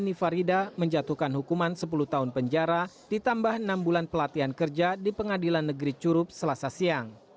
nifarida menjatuhkan hukuman sepuluh tahun penjara ditambah enam bulan pelatihan kerja di pengadilan negeri curup selasa siang